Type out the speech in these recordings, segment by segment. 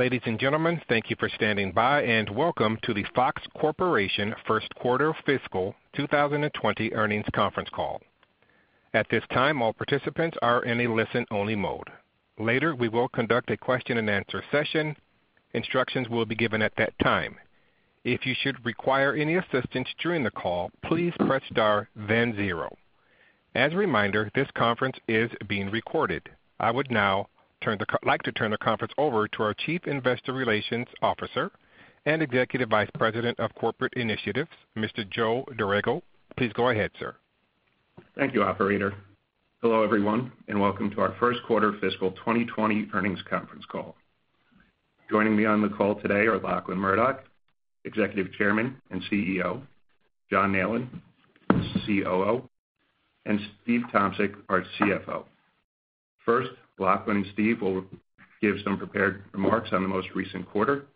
Ladies and gentlemen, thank you for standing by and welcome to the Fox Corporation First Quarter Fiscal 2020 Earnings Conference Call. At this time, all participants are in a listen-only mode. Later, we will conduct a question-and-answer session. Instructions will be given at that time. If you should require any assistance during the call, please press star then zero. As a reminder, this conference is being recorded. I would now like to turn the conference over to our Chief Investor Relations Officer and Executive Vice President of Corporate Initiatives, Mr. Joe Dorrego. Please go ahead, sir. Thank you, Operator. Hello, everyone, and welcome to our First Quarter Fiscal 2020 Earnings Conference Call. Joining me on the call today are Lachlan Murdoch, Executive Chairman and CEO, John Nallen, COO, and Steve Tomsic, our CFO. First, Lachlan and Steve will give some prepared remarks on the most recent quarter,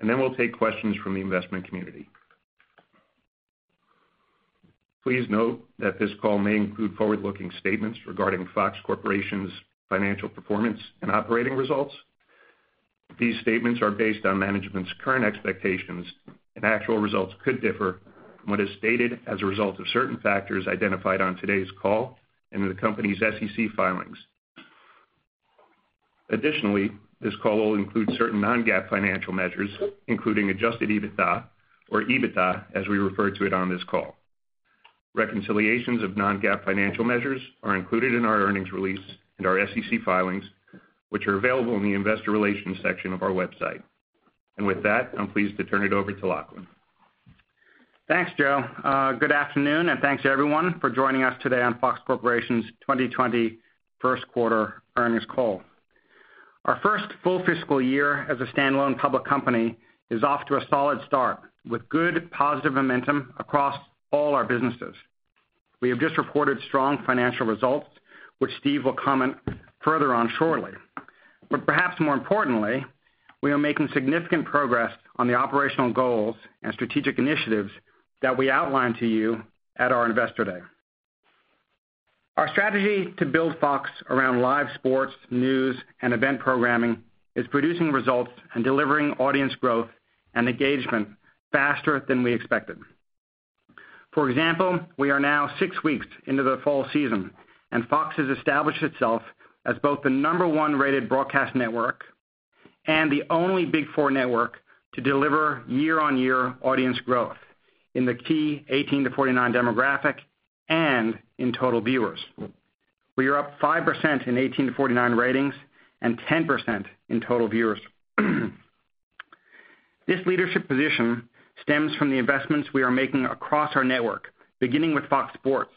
and then we'll take questions from the investment community. Please note that this call may include forward-looking statements regarding Fox Corporation's financial performance and operating results. These statements are based on management's current expectations, and actual results could differ from what is stated as a result of certain factors identified on today's call and in the company's SEC filings. Additionally, this call will include certain non-GAAP financial measures, including adjusted EBITDA, or EBITDA as we refer to it on this call. Reconciliations of non-GAAP financial measures are included in our earnings release and our SEC filings, which are available in the Investor Relations section of our website. And with that, I'm pleased to turn it over to Lachlan. Thanks, Joe. Good afternoon, and thanks to everyone for joining us today on Fox Corporation's 2020 First Quarter Earnings Call. Our first full fiscal year as a standalone public company is off to a solid start with good, positive momentum across all our businesses. We have just reported strong financial results, which Steve will comment further on shortly. But perhaps more importantly, we are making significant progress on the operational goals and strategic initiatives that we outlined to you at our Investor Day. Our strategy to build Fox around live sports, news, and event programming is producing results and delivering audience growth and engagement faster than we expected. For example, we are now six weeks into the fall season, and Fox has established itself as both the number one rated broadcast network and the only Big Four network to deliver year-on-year audience growth in the key 18-49 demographic and in total viewers. We are up 5% in 18-49 ratings and 10% in total viewers. This leadership position stems from the investments we are making across our network, beginning with Fox Sports,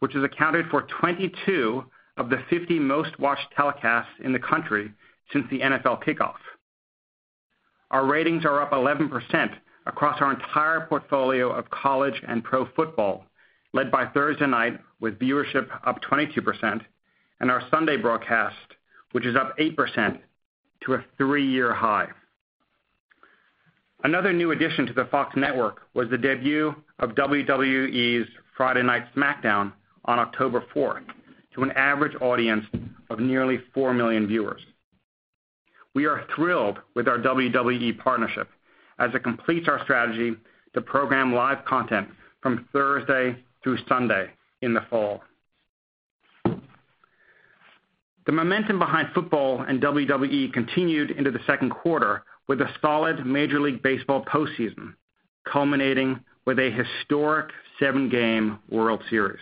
which has accounted for 22 of the 50 most-watched telecasts in the country since the NFL kickoff. Our ratings are up 11% across our entire portfolio of college and pro football, led by Thursday Night with viewership up 22%, and our Sunday broadcast, which is up 8% to a three-year high. Another new addition to the Fox network was the debut of WWE's Friday Night SmackDown on October 4th to an average audience of nearly four million viewers. We are thrilled with our WWE partnership as it completes our strategy to program live content from Thursday through Sunday in the fall. The momentum behind football and WWE continued into the second quarter with a solid Major League Baseball postseason, culminating with a historic seven-game World Series.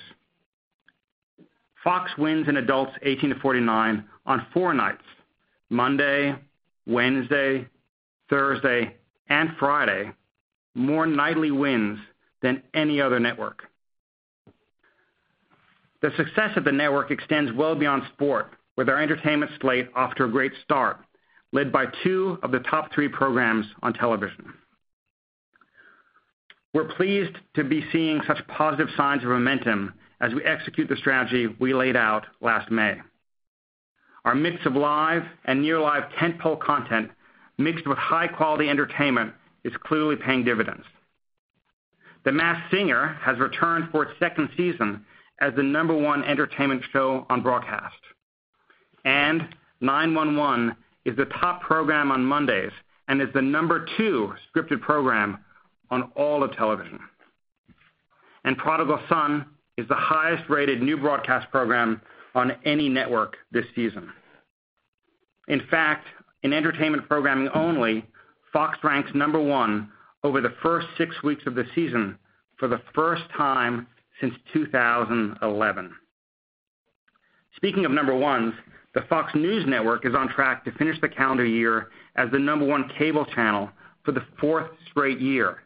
Fox wins in adults 18-49 on four nights: Monday, Wednesday, Thursday, and Friday, more nightly wins than any other network. The success of the network extends well beyond sport, with our entertainment slate off to a great start, led by two of the top three programs on television. We're pleased to be seeing such positive signs of momentum as we execute the strategy we laid out last May. Our mix of live and near-live tentpole content mixed with high-quality entertainment is clearly paying dividends. The Masked Singer has returned for its second season as the number one entertainment show on broadcast. And 9-1-1 is the top program on Mondays and is the number two scripted program on all of television. And Prodigal Son is the highest-rated new broadcast program on any network this season. In fact, in entertainment programming only, Fox ranks number one over the first six weeks of the season for the first time since 2011. Speaking of number ones, the Fox News Network is on track to finish the calendar year as the number one cable channel for the fourth straight year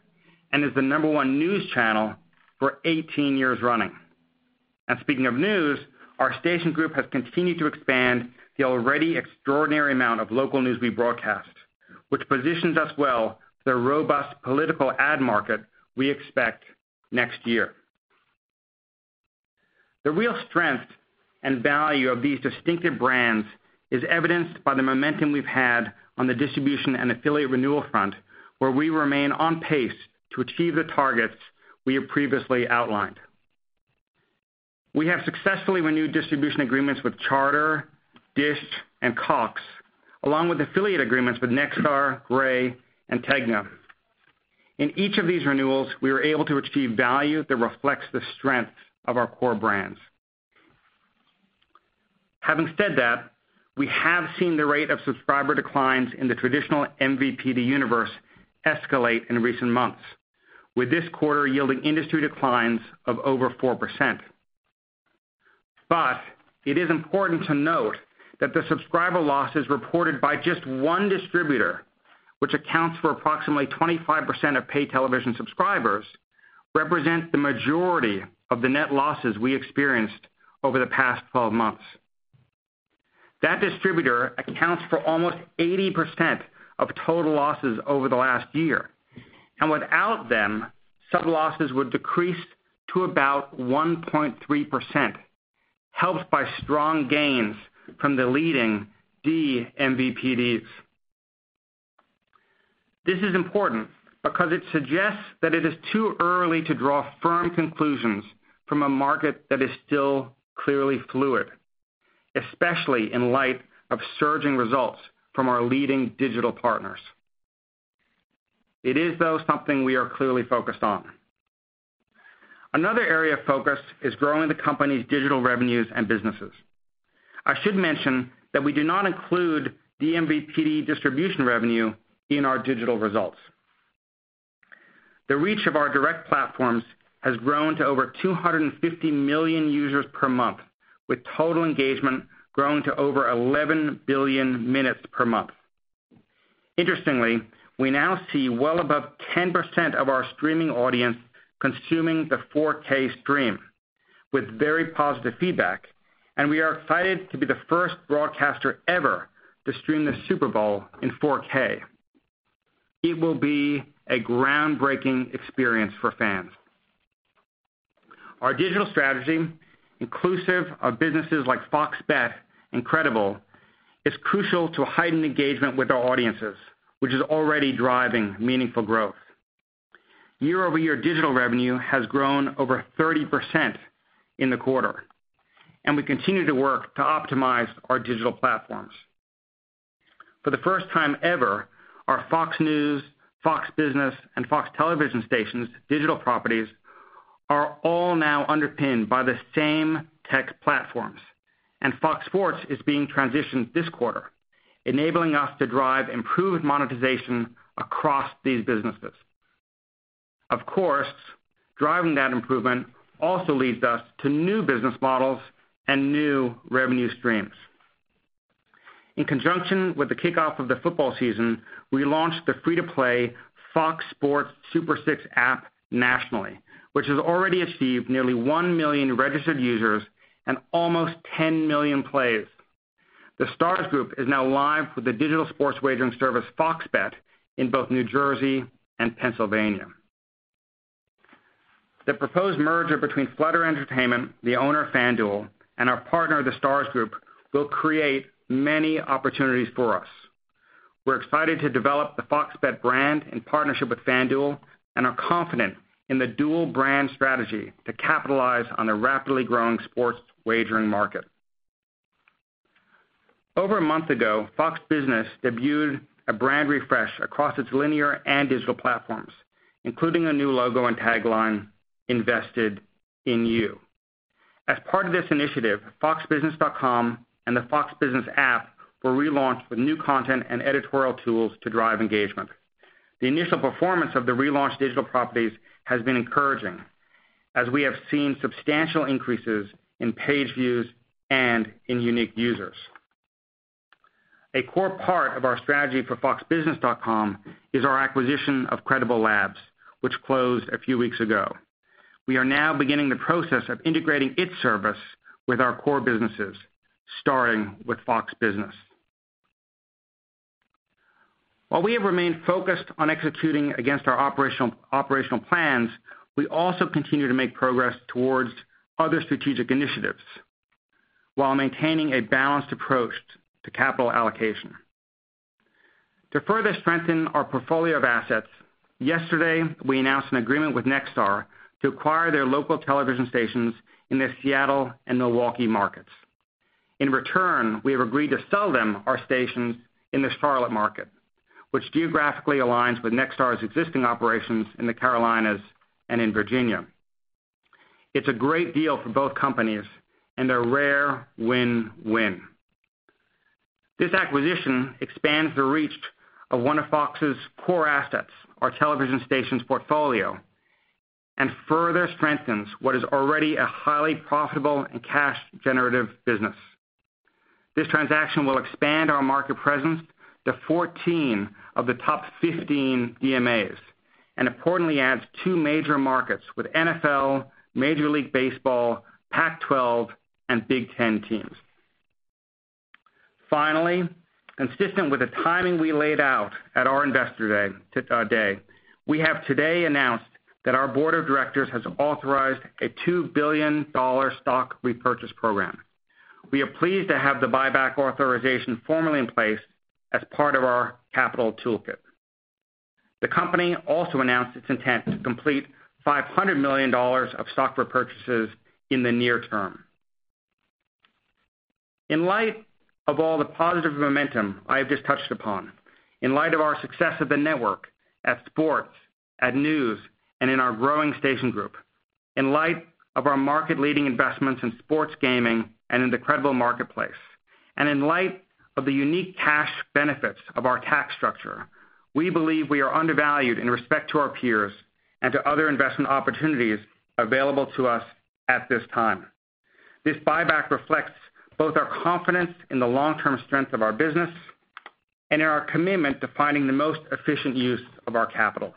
and as the number one news channel for 18 years running. And speaking of news, our station group has continued to expand the already extraordinary amount of local news we broadcast, which positions us well for the robust political ad market we expect next year. The real strength and value of these distinctive brands is evidenced by the momentum we've had on the distribution and affiliate renewal front, where we remain on pace to achieve the targets we have previously outlined. We have successfully renewed distribution agreements with Charter, Dish, and Cox, along with affiliate agreements with Nexstar, Gray, and Tegna. In each of these renewals, we were able to achieve value that reflects the strength of our core brands. Having said that, we have seen the rate of subscriber declines in the traditional MVPD universe escalate in recent months, with this quarter yielding industry declines of over 4%. But it is important to note that the subscriber losses reported by just one distributor, which accounts for approximately 25% of pay television subscribers, represent the majority of the net losses we experienced over the past 12 months. That distributor accounts for almost 80% of total losses over the last year. And without them, some losses would decrease to about 1.3%, helped by strong gains from the leading DMVPDs. This is important because it suggests that it is too early to draw firm conclusions from a market that is still clearly fluid, especially in light of surging results from our leading digital partners. It is, though, something we are clearly focused on. Another area of focus is growing the company's digital revenues and businesses. I should mention that we do not include DMVPD distribution revenue in our digital results. The reach of our direct platforms has grown to over 250 million users per month, with total engagement growing to over 11 billion minutes per month. Interestingly, we now see well above 10% of our streaming audience consuming the 4K stream, with very positive feedback, and we are excited to be the first broadcaster ever to stream the Super Bowl in 4K. It will be a groundbreaking experience for fans. Our digital strategy, inclusive of businesses like Fox Bet and Credible, is crucial to heighten engagement with our audiences, which is already driving meaningful growth. Year-over-year digital revenue has grown over 30% in the quarter, and we continue to work to optimize our digital platforms. For the first time ever, our Fox News, Fox Business, and Fox Television stations' digital properties are all now underpinned by the same tech platforms, and Fox Sports is being transitioned this quarter, enabling us to drive improved monetization across these businesses. Of course, driving that improvement also leads us to new business models and new revenue streams. In conjunction with the kickoff of the football season, we launched the free-to-play Fox Sports Super 6 app nationally, which has already achieved nearly 1 million registered users and almost 10 million plays. The Stars Group is now live with the digital sports wagering service Fox Bet in both New Jersey and Pennsylvania. The proposed merger between Flutter Entertainment, the owner FanDuel, and our partner, the Stars Group, will create many opportunities for us. We're excited to develop the Fox Bet brand in partnership with FanDuel, and are confident in the dual brand strategy to capitalize on the rapidly growing sports wagering market. Over a month ago, Fox Business debuted a brand refresh across its linear and digital platforms, including a new logo and tagline: "Invested in you." As part of this initiative, FoxBusiness.com and the Fox Business app were relaunched with new content and editorial tools to drive engagement. The initial performance of the relaunched digital properties has been encouraging, as we have seen substantial increases in page views and in unique users. A core part of our strategy for FoxBusiness.com is our acquisition of Credible Labs, which closed a few weeks ago. We are now beginning the process of integrating its service with our core businesses, starting with Fox Business. While we have remained focused on executing against our operational plans, we also continue to make progress towards other strategic initiatives while maintaining a balanced approach to capital allocation. To further strengthen our portfolio of assets, yesterday we announced an agreement with Nexstar to acquire their local television stations in the Seattle and Milwaukee markets. In return, we have agreed to sell them our stations in the Charlotte market, which geographically aligns with Nexstar's existing operations in the Carolinas and in Virginia. It's a great deal for both companies, and they're a rare win-win. This acquisition expands the reach of one of Fox's core assets, our television stations' portfolio, and further strengthens what is already a highly profitable and cash-generative business. This transaction will expand our market presence to 14 of the top 15 DMAs and importantly adds two major markets with NFL, Major League Baseball, Pac-12, and Big Ten teams. Finally, consistent with the timing we laid out at our Investor Day, we have today announced that our board of directors has authorized a $2 billion stock repurchase program. We are pleased to have the buyback authorization formally in place as part of our capital toolkit. The company also announced its intent to complete $500 million of stock repurchases in the near term. In light of all the positive momentum I have just touched upon, in light of our success of the network at sports, at news, and in our growing station group, in light of our market-leading investments in sports, gaming, and in the Credible marketplace, and in light of the unique cash benefits of our tax structure, we believe we are undervalued in respect to our peers and to other investment opportunities available to us at this time. This buyback reflects both our confidence in the long-term strength of our business and in our commitment to finding the most efficient use of our capital.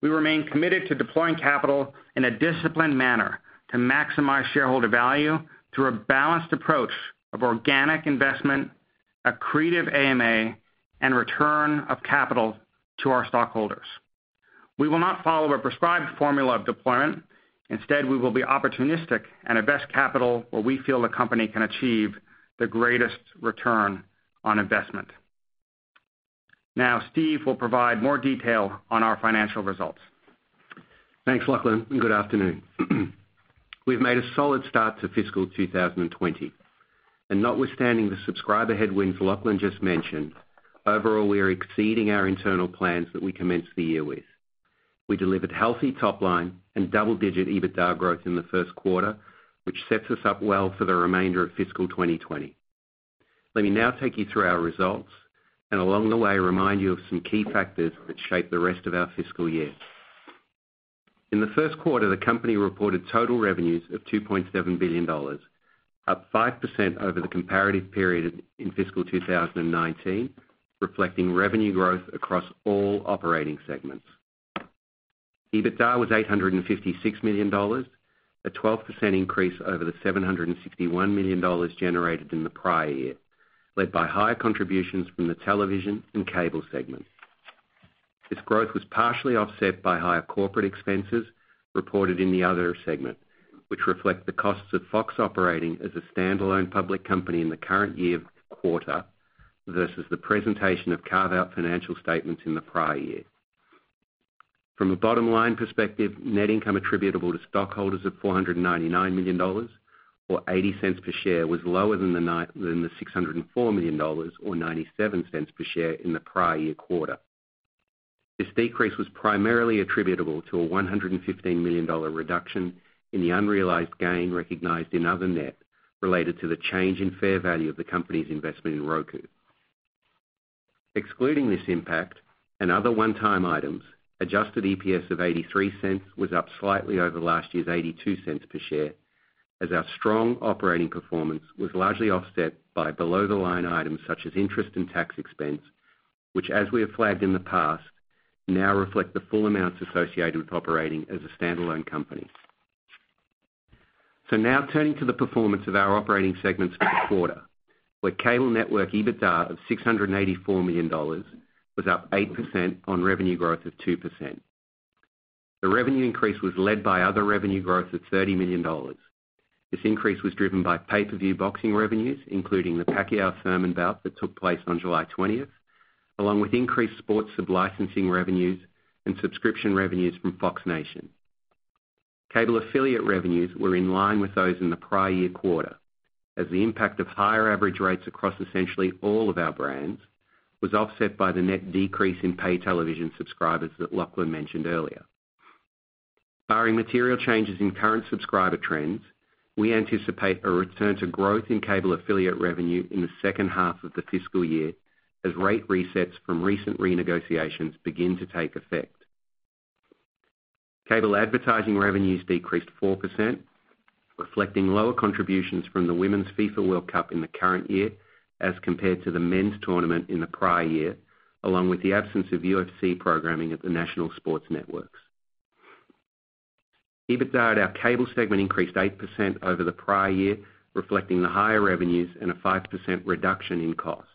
We remain committed to deploying capital in a disciplined manner to maximize shareholder value through a balanced approach of organic investment, a creative M&A, and return of capital to our stockholders. We will not follow a prescribed formula of deployment. Instead, we will be opportunistic and invest capital where we feel the company can achieve the greatest return on investment. Now, Steve will provide more detail on our financial results. Thanks, Lachlan, and good afternoon. We've made a solid start to fiscal 2020, and notwithstanding the subscriber headwinds Lachlan just mentioned, overall we are exceeding our internal plans that we commenced the year with. We delivered healthy top-line and double-digit EBITDA growth in the first quarter, which sets us up well for the remainder of fiscal 2020. Let me now take you through our results and along the way remind you of some key factors that shape the rest of our fiscal year. In the first quarter, the company reported total revenues of $2.7 billion, up 5% over the comparative period in fiscal 2019, reflecting revenue growth across all operating segments. EBITDA was $856 million, a 12% increase over the $761 million generated in the prior year, led by higher contributions from the television and cable segments. This growth was partially offset by higher corporate expenses reported in the other segment, which reflect the costs of Fox operating as a standalone public company in the current year quarter versus the presentation of carve-out financial statements in the prior year. From a bottom-line perspective, net income attributable to stockholders of $499 million, or $0.80 per share, was lower than the $604 million, or $0.97 per share, in the prior year quarter. This decrease was primarily attributable to a $115 million reduction in the unrealized gain recognized in other net related to the change in fair value of the company's investment in Roku. Excluding this impact and other one-time items, adjusted EPS of $0.83 was up slightly over last year's $0.82 per share, as our strong operating performance was largely offset by below-the-line items such as interest and tax expense, which, as we have flagged in the past, now reflect the full amounts associated with operating as a standalone company, so now turning to the performance of our operating segments for the quarter, where cable network EBITDA of $684 million was up 8% on revenue growth of 2%. The revenue increase was led by other revenue growth of $30 million. This increase was driven by pay-per-view boxing revenues, including the Pacquiao Thurman bout that took place on July 20th, along with increased sports sub-licensing revenues and subscription revenues from Fox Nation. Cable affiliate revenues were in line with those in the prior year quarter, as the impact of higher average rates across essentially all of our brands was offset by the net decrease in pay television subscribers that Lachlan mentioned earlier. Barring material changes in current subscriber trends, we anticipate a return to growth in cable affiliate revenue in the second half of the fiscal year as rate resets from recent renegotiations begin to take effect. Cable advertising revenues decreased 4%, reflecting lower contributions from the women's FIFA World Cup in the current year as compared to the men's tournament in the prior year, along with the absence of UFC programming at the national sports networks. EBITDA at our cable segment increased 8% over the prior year, reflecting the higher revenues and a 5% reduction in costs.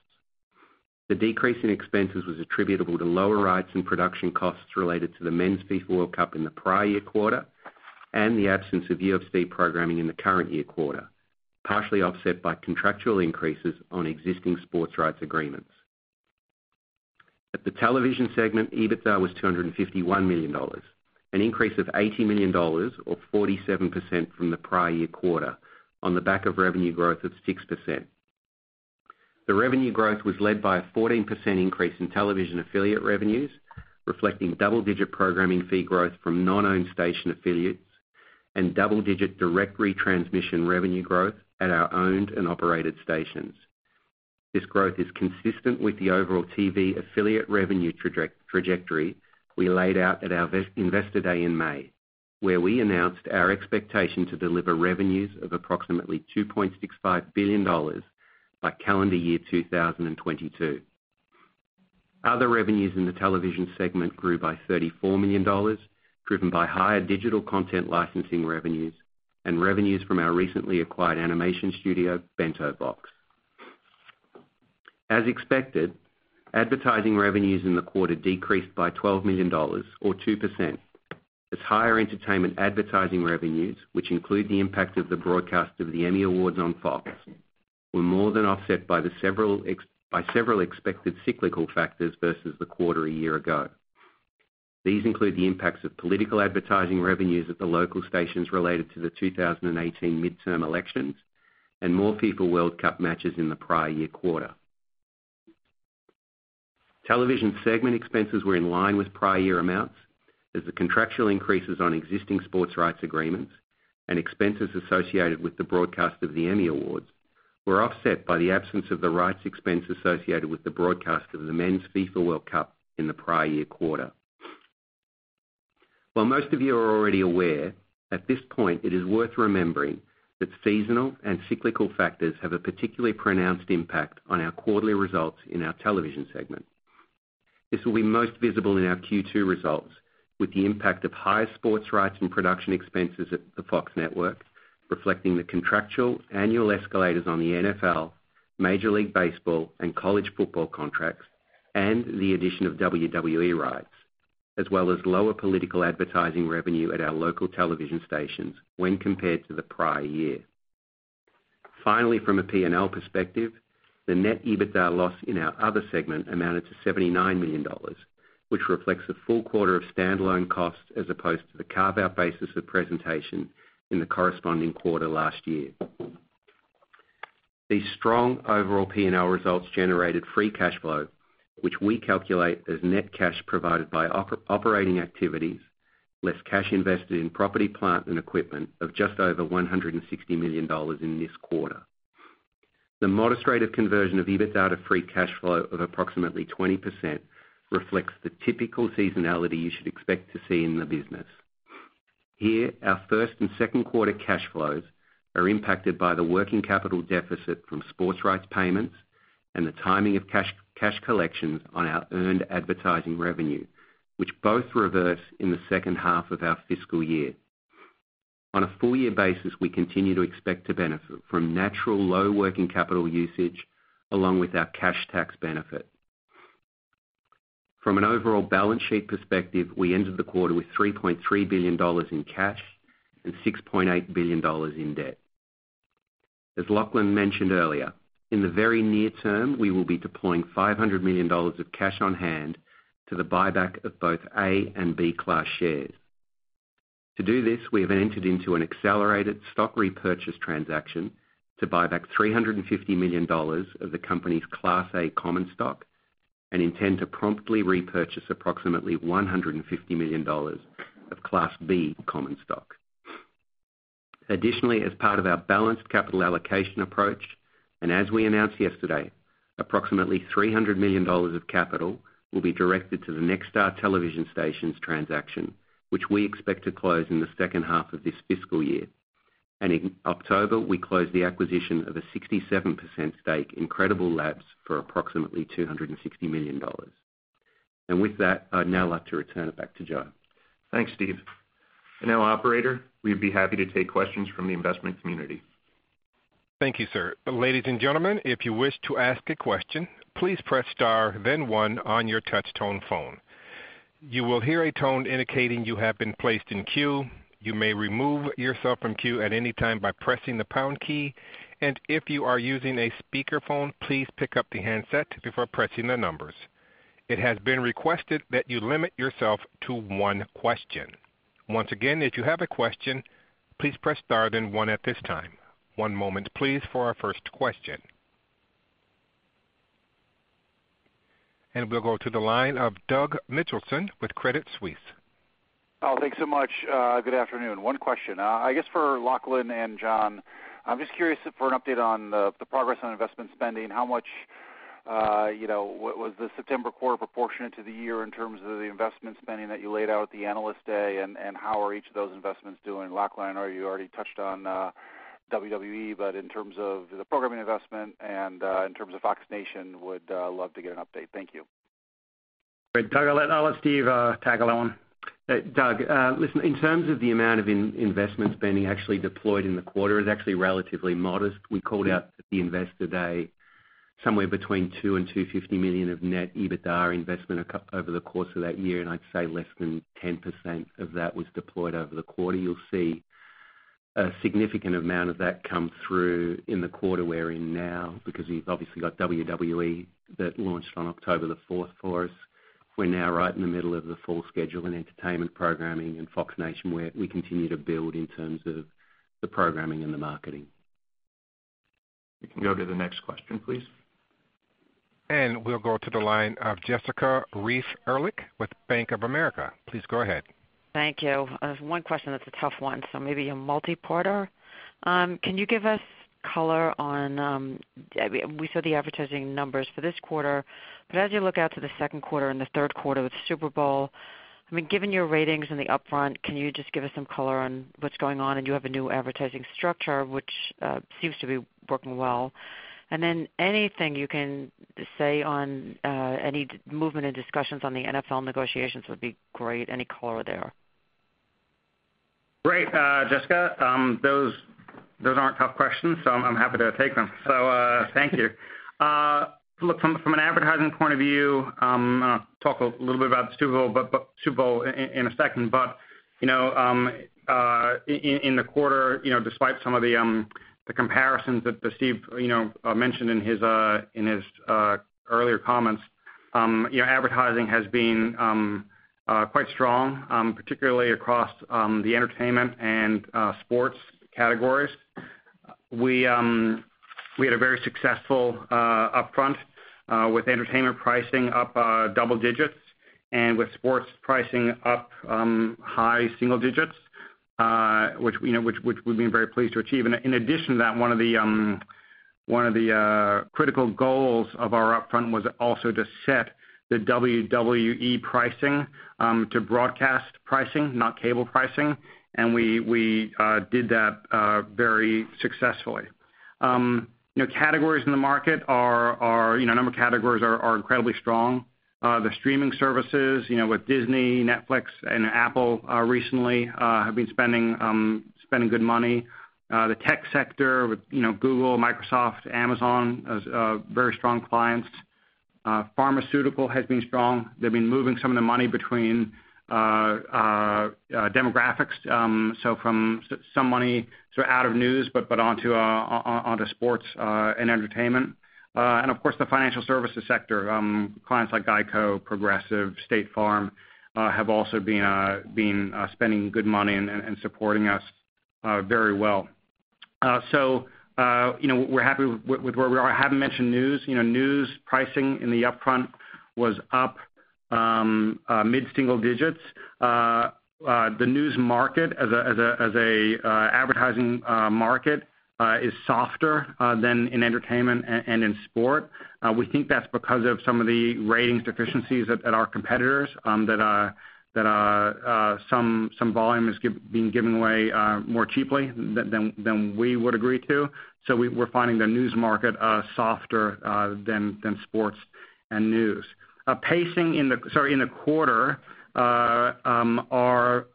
The decrease in expenses was attributable to lower rights and production costs related to the men's FIFA World Cup in the prior year quarter and the absence of UFC programming in the current year quarter, partially offset by contractual increases on existing sports rights agreements. At the television segment, EBITDA was $251 million, an increase of $80 million, or 47% from the prior year quarter, on the back of revenue growth of 6%. The revenue growth was led by a 14% increase in television affiliate revenues, reflecting double-digit programming fee growth from non-owned station affiliates and double-digit direct retransmission revenue growth at our owned and operated stations. This growth is consistent with the overall TV affiliate revenue trajectory we laid out at our Investor Day in May, where we announced our expectation to deliver revenues of approximately $2.65 billion by calendar year 2022. Other revenues in the television segment grew by $34 million, driven by higher digital content licensing revenues and revenues from our recently acquired animation studio, BentoBox. As expected, advertising revenues in the quarter decreased by $12 million, or 2%, as higher entertainment advertising revenues, which include the impact of the broadcast of the Emmy Awards on Fox, were more than offset by several expected cyclical factors versus the quarter a year ago. These include the impacts of political advertising revenues at the local stations related to the 2018 midterm elections and more FIFA World Cup matches in the prior year quarter. Television segment expenses were in line with prior year amounts as the contractual increases on existing sports rights agreements and expenses associated with the broadcast of the Emmy Awards were offset by the absence of the rights expense associated with the broadcast of the men's FIFA World Cup in the prior year quarter. While most of you are already aware, at this point, it is worth remembering that seasonal and cyclical factors have a particularly pronounced impact on our quarterly results in our television segment. This will be most visible in our Q2 results with the impact of higher sports rights and production expenses at the Fox Network, reflecting the contractual annual escalators on the NFL, Major League Baseball, and college football contracts, and the addition of WWE rights, as well as lower political advertising revenue at our local television stations when compared to the prior year. Finally, from a P&L perspective, the net EBITDA loss in our other segment amounted to $79 million, which reflects a full quarter of standalone costs as opposed to the carve-out basis of presentation in the corresponding quarter last year. These strong overall P&L results generated free cash flow, which we calculate as net cash provided by operating activities less cash invested in property, plant, and equipment of just over $160 million in this quarter. The modest rate of conversion of EBITDA to free cash flow of approximately 20% reflects the typical seasonality you should expect to see in the business. Here, our first and second quarter cash flows are impacted by the working capital deficit from sports rights payments and the timing of cash collections on our earned advertising revenue, which both reverse in the second half of our fiscal year. On a full-year basis, we continue to expect to benefit from natural low working capital usage along with our cash tax benefit. From an overall balance sheet perspective, we ended the quarter with $3.3 billion in cash and $6.8 billion in debt. As Lachlan mentioned earlier, in the very near term, we will be deploying $500 million of cash on hand to the buyback of both A and B class shares. To do this, we have entered into an accelerated stock repurchase transaction to buy back $350 million of the company's Class A common stock and intend to promptly repurchase approximately $150 million of Class B common stock. Additionally, as part of our balanced capital allocation approach, and as we announced yesterday, approximately $300 million of capital will be directed to the Nexstar television stations transaction, which we expect to close in the second half of this fiscal year. And in October, we closed the acquisition of a 67% stake in Credible Labs for approximately $260 million. And with that, I'd now like to return it back to Joe. Thanks, Steve. And now, Operator, we'd be happy to take questions from the investment community. Thank you, sir. Ladies and gentlemen, if you wish to ask a question, please press star, then one on your touch-tone phone. You will hear a tone indicating you have been placed in queue. You may remove yourself from queue at any time by pressing the pound key. And if you are using a speakerphone, please pick up the handset before pressing the numbers. It has been requested that you limit yourself to one question. Once again, if you have a question, please press star, then one at this time. One moment, please, for our first question. And we'll go to the line of Doug Mitchelson with Credit Suisse. Oh, thanks so much. Good afternoon. One question. I guess for Lachlan and John, I'm just curious for an update on the progress on investment spending. How much was the September quarter proportionate to the year in terms of the investment spending that you laid out at the analyst day, and how are each of those investments doing? Lachlan, I know you already touched on WWE, but in terms of the programming investment and in terms of Fox Nation, would love to get an update. Thank you. Doug, I'll let Steve tag along. Doug, listen, in terms of the amount of investment spending actually deployed in the quarter, it's actually relatively modest. We called out at the investor day somewhere between $2 and $250 million of net EBITDA investment over the course of that year, and I'd say less than 10% of that was deployed over the quarter. You'll see a significant amount of that come through in the quarter we're in now because we've obviously got WWE that launched on October the 4th for us. We're now right in the middle of the full schedule in entertainment programming and Fox Nation, where we continue to build in terms of the programming and the marketing. We can go to the next question, please. And we'll go to the line of Jessica Reif-Ehrlich with Bank of America. Please go ahead. Thank you. One question that's a tough one, so maybe a multi-parter. Can you give us color on, we saw the advertising numbers for this quarter, but as you look out to the second quarter and the third quarter with Super Bowl, I mean, given your ratings in the Upfront, can you just give us some color on what's going on? And you have a new advertising structure, which seems to be working well. And then anything you can say on any movement and discussions on the NFL negotiations would be great. Any color there? Great. Jessica, those aren't tough questions, so I'm happy to take them. So thank you. Look, from an advertising point of view, I'll talk a little bit about the Super Bowl in a second. But in the quarter, despite some of the comparisons that Steve mentioned in his earlier comments, advertising has been quite strong, particularly across the entertainment and sports categories. We had a very successful upfront with entertainment pricing up double digits and with sports pricing up high single digits, which we've been very pleased to achieve. And in addition to that, one of the critical goals of our upfront was also to set the WWE pricing to broadcast pricing, not cable pricing. And we did that very successfully. A number of categories are incredibly strong. The streaming services with Disney, Netflix, and Apple recently have been spending good money. The tech sector with Google, Microsoft, Amazon are very strong clients. Pharmaceutical has been strong. They've been moving some of the money between demographics, so from some money sort of out of news but onto sports and entertainment. And of course, the financial services sector, clients like GEICO, Progressive, State Farm have also been spending good money and supporting us very well. So we're happy with where we are. I haven't mentioned news. News pricing in the Upfront was up mid-single digits. The news market as an advertising market is softer than in entertainment and in sport. We think that's because of some of the ratings deficiencies at our competitors that some volume has been given away more cheaply than we would agree to. So we're finding the news market softer than sports and news. Pacing in the quarter, our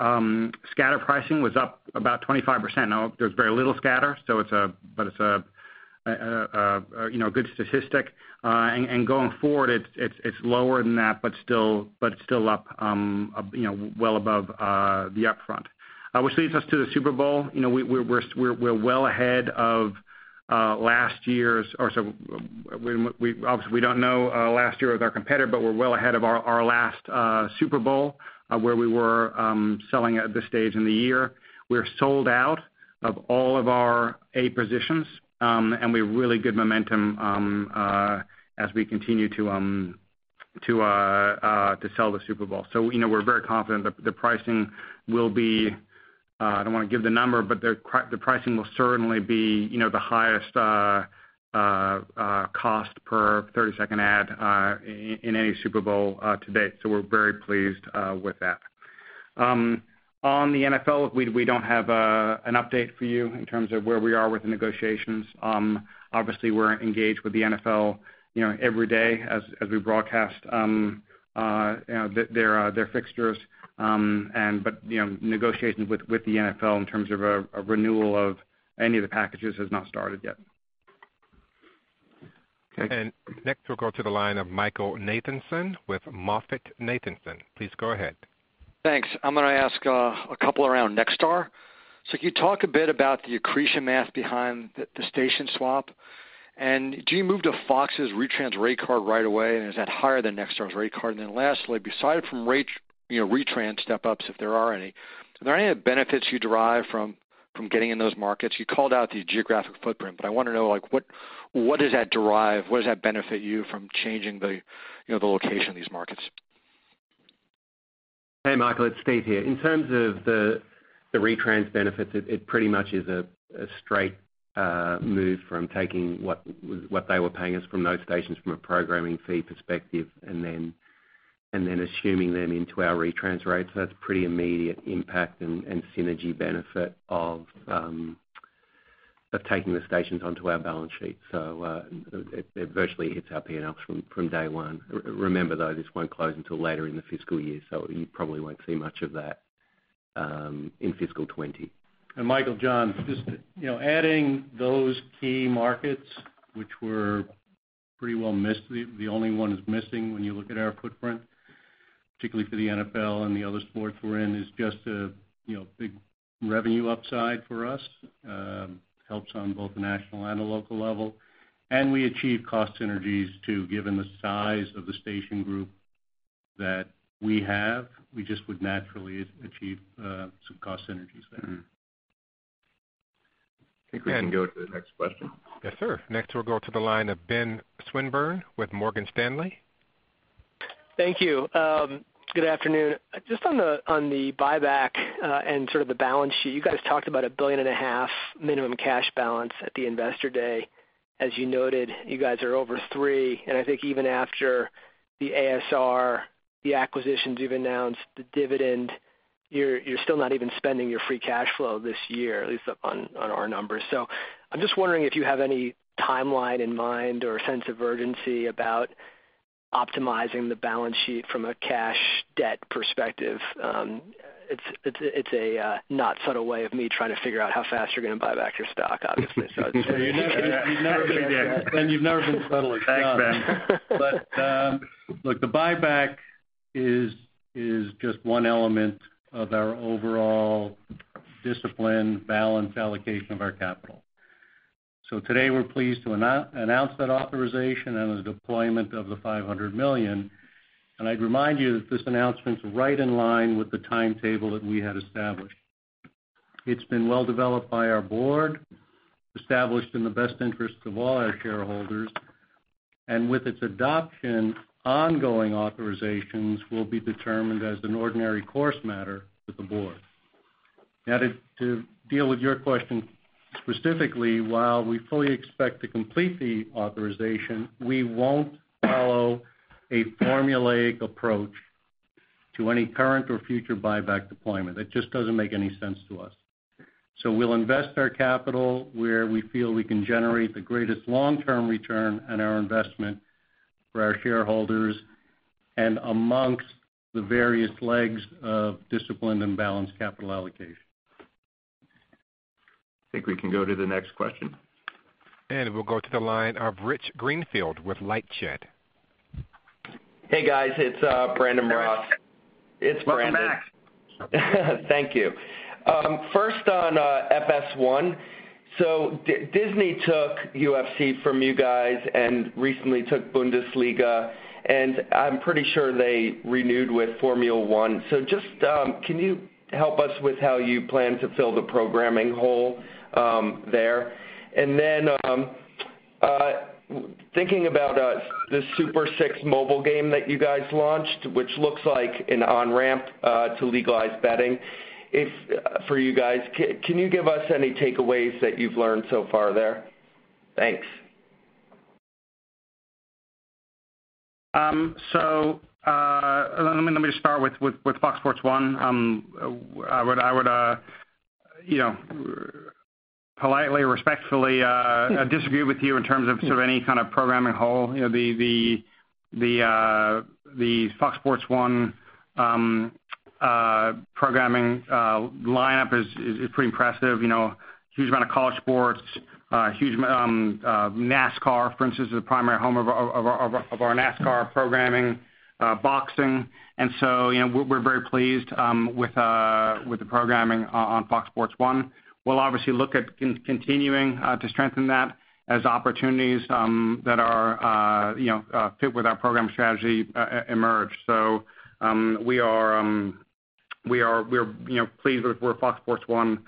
Scatter pricing was up about 25%. Now, there's very little scatter, but it's a good statistic, and going forward, it's lower than that, but still up well above the upfront. Which leads us to the Super Bowl. We're well ahead of last year's, or so obviously, we don't know last year with our competitor, but we're well ahead of our last Super Bowl where we were selling at this stage in the year. We're sold out of all of our A positions, and we have really good momentum as we continue to sell the Super Bowl. So we're very confident the pricing will be, I don't want to give the number, but the pricing will certainly be the highest cost per 30-second ad in any Super Bowl to date. So we're very pleased with that. On the NFL, we don't have an update for you in terms of where we are with the negotiations. Obviously, we're engaged with the NFL every day as we broadcast their fixtures. But negotiations with the NFL in terms of a renewal of any of the packages has not started yet. Okay. And next, we'll go to the line of Michael Nathanson with MoffettNathanson. Please go ahead. Thanks. I'm going to ask a couple around Nexstar. So can you talk a bit about the accretion math behind the station swap? And do you move to Fox's Retrans rate card right away, and is that higher than Nexstar's rate card? And then lastly, besides Retrans step-ups, if there are any, are there any benefits you derive from getting in those markets? You called out the geographic footprint, but I want to know what does that derive? What does that benefit you from changing the location of these markets? Hey, Michael, let's stay here. In terms of the Retrans benefits, it pretty much is a straight move from taking what they were paying us from those stations from a programming fee perspective and then assuming them into our Retrans rates. That's pretty immediate impact and synergy benefit of taking the stations onto our balance sheet. So it virtually hits our P&L from day one. Remember, though, this won't close until later in the fiscal year, so you probably won't see much of that in fiscal 2020. And Michael, John, just adding those key markets, which were pretty well missed, the only one that's missing when you look at our footprint, particularly for the NFL and the other sports we're in, is just a big revenue upside for us. It helps on both the national and the local level. And we achieve cost synergies too, given the size of the station group that we have. We just would naturally achieve some cost synergies there. I think we can go to the next question. Yes, sir. Next, we'll go to the line of Ben Swinburne with Morgan Stanley. Thank you. Good afternoon. Just on the buyback and sort of the balance sheet, you guys talked about a $1.5 billion minimum cash balance at the investor day. As you noted, you guys are over $3 billion. And I think even after the ASR, the acquisitions you've announced, the dividend, you're still not even spending your free cash flow this year, at least on our numbers. So I'm just wondering if you have any timeline in mind or a sense of urgency about optimizing the balance sheet from a cash debt perspective. It's a not subtle way of me trying to figure out how fast you're going to buy back your stock, obviously. You've never been subtle. But look, the buyback is just one element of our overall discipline, balance allocation of our capital. So today, we're pleased to announce that authorization and the deployment of the $500 million. And I'd remind you that this announcement's right in line with the timetable that we had established. It's been well developed by our board, established in the best interests of all our shareholders. And with its adoption, ongoing authorizations will be determined as an ordinary course matter with the board. Now, to deal with your question specifically, while we fully expect to complete the authorization, we won't follow a formulaic approach to any current or future buyback deployment. That just doesn't make any sense to us. So we'll invest our capital where we feel we can generate the greatest long-term return on our investment for our shareholders and among the various legs of discipline and balanced capital allocation. I think we can go to the next question. We'll go to the line of Rich Greenfield with LightShed. Hey, guys. It's Brandon Ross. Hey. It's Brandon. Welcome back. Thank you. First on FS1, so Disney took UFC from you guys and recently took Bundesliga. And I'm pretty sure they renewed with Formula One. So just can you help us with how you plan to fill the programming hole there? And then thinking about the Super 6 mobile game that you guys launched, which looks like an on-ramp to legalize betting for you guys, can you give us any takeaways that you've learned so far there? Thanks. So let me just start with Fox Sports One. I would politely, respectfully disagree with you in terms of sort of any kind of programming hole. The Fox Sports One programming lineup is pretty impressive. Huge amount of college sports. NASCAR, for instance, is the primary home of our NASCAR programming, boxing. And so we're very pleased with the programming on Fox Sports One. We'll obviously look at continuing to strengthen that as opportunities that are fit with our programming strategy emerge. So we are pleased with where Fox Sports One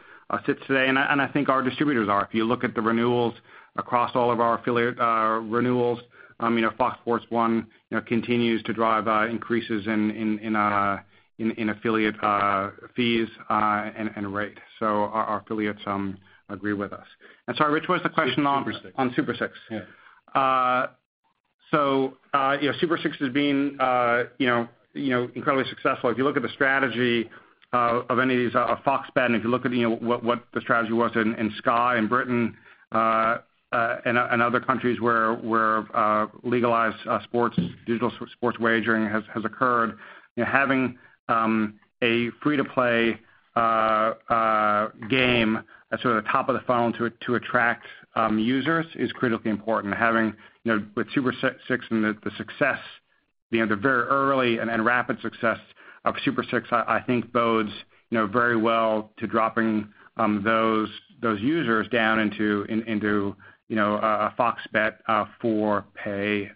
sits today. And I think our distributors are. If you look at the renewals across all of our affiliate renewals, Fox Sports One continues to drive increases in affiliate fees and rate. So our affiliates agree with us. And sorry, which was the question on? Super 6. On Super 6. Yeah. So Super 6 has been incredibly successful. If you look at the strategy of any of these Fox betting, if you look at what the strategy was in Sky and Britain and other countries where legalized digital sports wagering has occurred, having a free-to-play game at sort of the top of the funnel to attract users is critically important. With Super 6 and the very early and rapid success of Super 6, I think bodes very well to dropping those users down into a Fox Bet for pay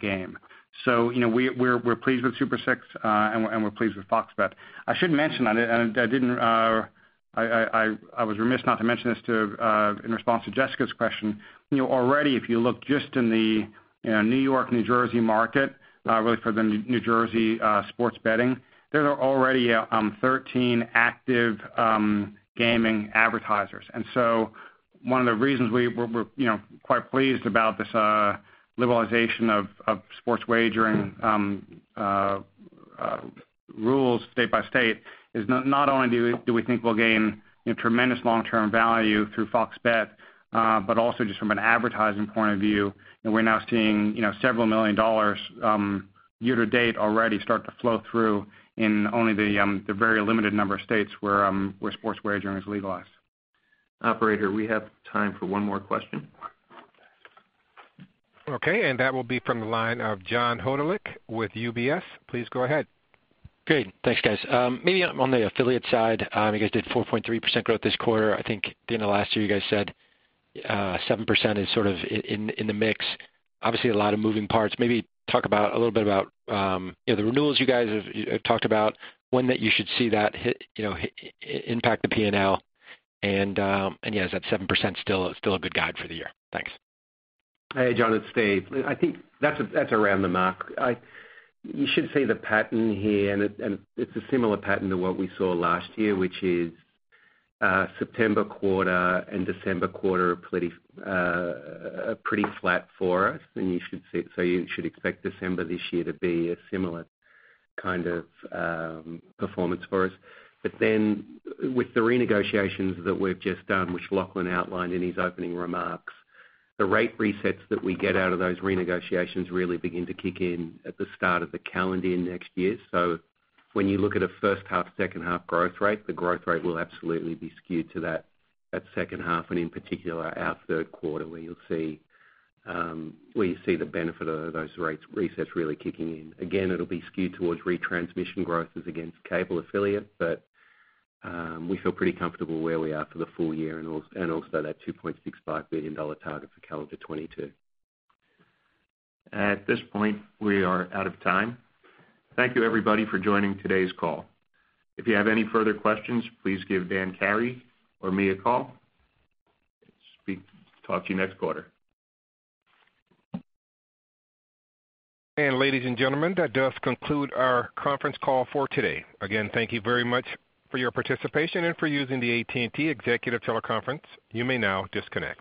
game. So we're pleased with Super 6, and we're pleased with Fox Bet. I should mention, and I was remiss not to mention this in response to Jessica's question, already, if you look just in the New York, New Jersey market, really for the New Jersey sports betting, there are already 13 active gaming advertisers. And so one of the reasons we're quite pleased about this legalization of sports wagering rules state by state is not only do we think we'll gain tremendous long-term value through Fox Bet, but also just from an advertising point of view, we're now seeing several million dollars year to date already start to flow through in only the very limited number of states where sports wagering is legalized. Operator, we have time for one more question. Okay. And that will be from the line of John Hodulik with UBS. Please go ahead. Great. Thanks, guys. Maybe on the affiliate side, you guys did 4.3% growth this quarter. I think at the end of last year, you guys said 7% is sort of in the mix. Obviously, a lot of moving parts. Maybe talk a little bit about the renewals you guys have talked about, when that you should see that impact the P&L. And yeah, is that 7% still a good guide for the year? Thanks. Hey, John, it's Steve. I think that's around the mark. You should see the pattern here, and it's a similar pattern to what we saw last year, which is September quarter and December quarter are pretty flat for us. And so you should expect December this year to be a similar kind of performance for us. But then with the renegotiations that we've just done, which Lachlan outlined in his opening remarks, the rate resets that we get out of those renegotiations really begin to kick in at the start of the calendar year next year. So when you look at a first half, second half growth rate, the growth rate will absolutely be skewed to that second half, and in particular, our third quarter where you'll see the benefit of those rate resets really kicking in. Again, it'll be skewed towards retransmission growth against cable affiliate, but we feel pretty comfortable where we are for the full year and also that $2.65 billion target for calendar 2022. At this point, we are out of time. Thank you, everybody, for joining today's call. If you have any further questions, please give Dan Carey or me a call. Talk to you next quarter. And ladies and gentlemen, that does conclude our conference call for today. Again, thank you very much for your participation and for using the AT&T Executive Teleconference. You may now disconnect.